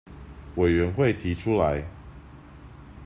委員會提出來